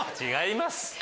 違います。